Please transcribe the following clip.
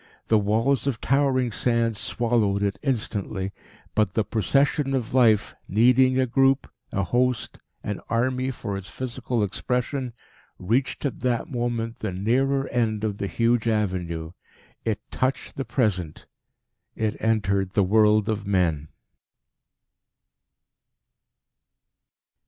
The walls of towering sand swallowed it instantly. But the Procession of life, needing a group, a host, an army for its physical expression, reached at that moment the nearer end of the huge avenue. It touched the Present; it entered the world of men.